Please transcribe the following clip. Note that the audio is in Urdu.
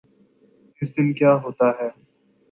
اس دن کیا ہوتاہے۔